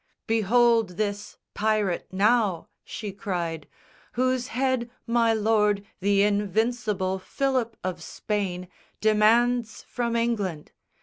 "Behold this pirate, now," she cried, "Whose head my Lord, the Invincible, Philip of Spain Demands from England.